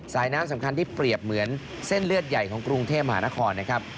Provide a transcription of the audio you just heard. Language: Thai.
น้ำสำคัญที่เปรียบเหมือนเส้นเลือดใหญ่ของกรุงเทพมหานครนะครับ